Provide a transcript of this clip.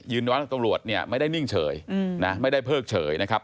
ยืนวันตำรวจไม่ได้นิ่งเฉยไม่ได้เพิกเฉยนะครับ